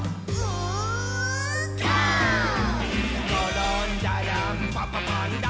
「ごろんだらんパパ★パンダ」